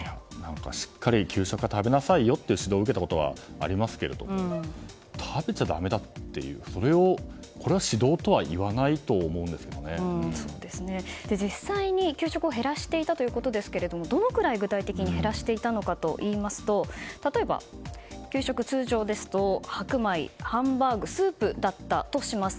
しっかり給食を食べなさいという指導は受けたことがありますが食べちゃだめだっていうこれは指導とは言わないと実際に給食を減らしていたということですがどのくらい具体的に減らしていたのかといいますと例えば給食、通常ですと白米ハンバーグ、スープとします